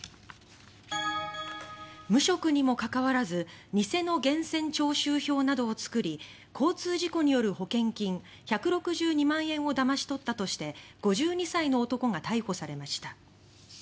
無職にも関わらず偽の源泉徴収票などを作り交通事故による保険金１６２万円をだまし取ったとして５２歳の男が逮捕されました。